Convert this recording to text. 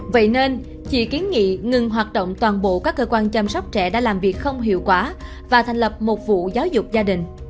vậy nên chị kiến nghị ngừng hoạt động toàn bộ các cơ quan chăm sóc trẻ đã làm việc không hiệu quả và thành lập một vụ giáo dục gia đình